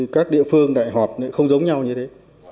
các địa phương đại họp không giống nhau như thế